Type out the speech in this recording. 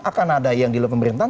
akan ada yang di luar pemerintahan